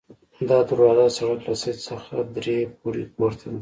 دا دروازه د سړک له سطحې څخه درې پوړۍ پورته ده.